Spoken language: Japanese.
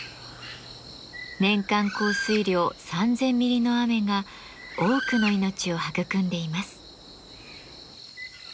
年間降水量３，０００ミリの雨が多くの命を育んでいます。